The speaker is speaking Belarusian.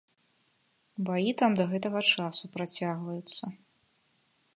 Баі там да гэтага часу працягваюцца.